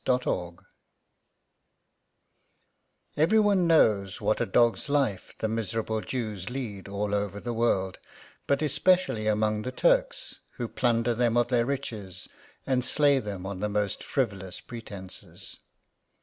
IT' VERY one knows what a clog's life ihe miserable Jews lead all ^ over the world, but especially ani..ngst the Turks, who plunder them of their riches, and slay than on the most frivolous pretences.